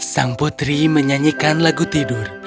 sang putri menyanyikan lagu tidur